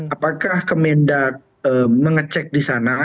apakah kemendak mengecek di sana